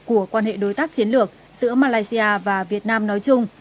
của quan hệ đối tác chiến lược giữa malaysia và việt nam nói chung